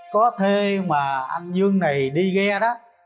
có thê mà anh dương này đi ghe đó